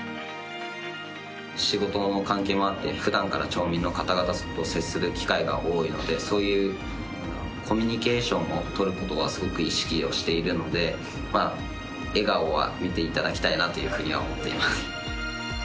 仕事の関係もあって、ふだんから町民の方々と接する機会が多いのでそういうコミュニケーションをとることはすごく意識をしているので笑顔は見ていただきたいなというふうには思っています。